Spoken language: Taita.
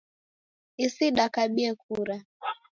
Isi dakabie kura